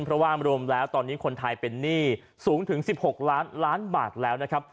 เพราะว่ารวมแล้วตอนนี้คนไทยเป็นหนี้สูงถึง๑๖ล้านล้านบาทแล้วนะครับ